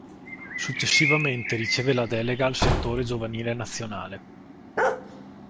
Successivamente riceve la delega al Settore Giovanile Nazionale.